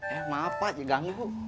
eh maaf pak diganggu